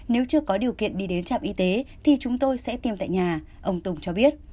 nếu chưa có điều kiện đi đến trạm y tế thì chúng tôi sẽ tiêm tại nhà ông tùng cho biết